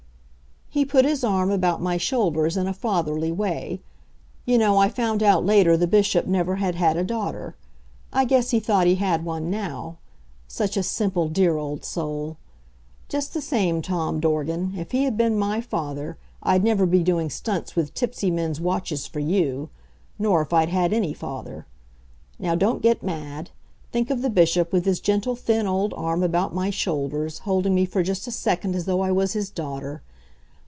He put his arm about my shoulders in a fatherly way. You know, I found out later the Bishop never had had a daughter. I guess he thought he had one now. Such a simple, dear old soul! Just the same, Tom Dorgan, if he had been my father, I'd never be doing stunts with tipsy men's watches for you; nor if I'd had any father. Now, don't get mad. Think of the Bishop with his gentle, thin old arm about my shoulders, holding me for just a second as though I was his daughter!